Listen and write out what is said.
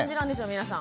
皆さん。